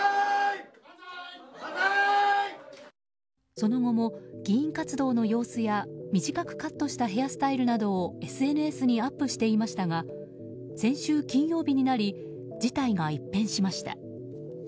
その後も議員活動の様子や短くカットしたヘアスタイルなどをＳＮＳにアップしていましたが先週金曜日になり事態が一変しました。